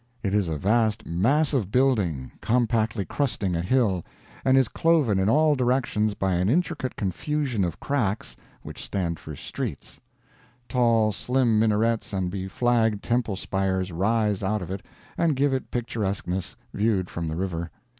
It is a vast mass of building, compactly crusting a hill, and is cloven in all directions by an intricate confusion of cracks which stand for streets. Tall, slim minarets and beflagged temple spires rise out of it and give it picturesqueness, viewed from the river.